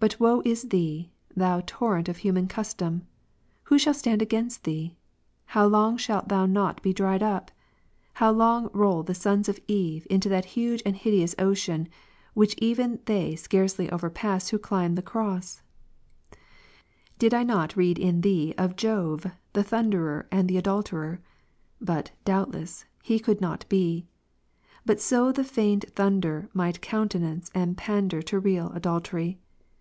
But woe is thee, thou torrent of human custom ! Who shall stand against thee ? How long shalt thou not be dried up ? How long roll the sons of Eve into that huge and hideous ocean, which even they scarcely overj^ass who climb the Cross "^? Did not I read in thee of Jove the thunderer and the adulterer ? Both, doubtless, he could not be ; but so the feigned thunder might countenance and pander to real adult ery.